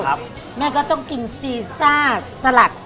แม่ก็ต้องกินซีซ่าสลัด